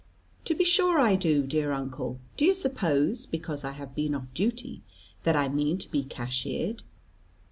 "To be sure I do, dear uncle; do you suppose, because I have been off duty, that I mean to be cashiered?